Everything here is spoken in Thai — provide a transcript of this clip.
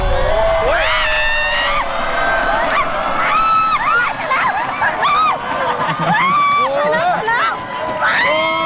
ตายแล้ว